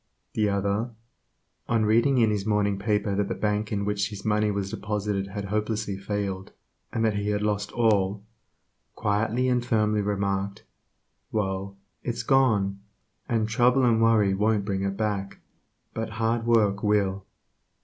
The other, on reading in his morning paper that the bank in which his money was deposited had hopelessly failed, and that he had lost all, quietly and firmly remarked, ''Well, it's gone, and trouble and worry won't bring it back, but hard work will."